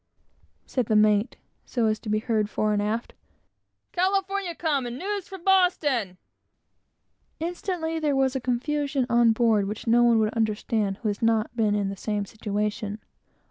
said the mate, so as to be heard fore and aft; "California come, and news from Boston!" Instantly there was a confusion on board which no one could account for who has not been in the same situation.